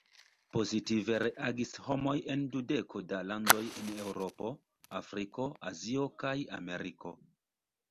Pozitive reagis homoj en dudeko da landoj en Eŭropo, Afriko, Azio kaj Ameriko.